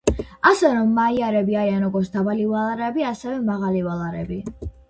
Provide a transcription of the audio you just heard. ასე რომ მაიარები არიან როგორც დაბალი ვალარები, ასევე მაღალი ვალარები.